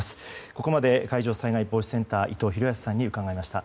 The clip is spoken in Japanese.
ここまで海上災害防止センター伊藤裕康さんに伺いました。